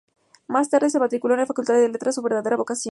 Más tarde se matriculó en la Facultad de Letras, su verdadera vocación.